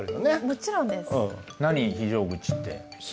もちろんです。